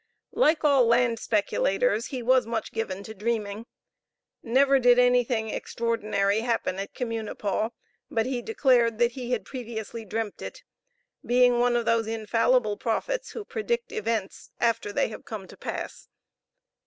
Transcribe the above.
Like all land speculators, he was much given to dreaming. Never did anything extraordinary happen at Communipaw but he declared that he had previously dreamt it, being one of those infallible prophets who predict events after they have come to pass.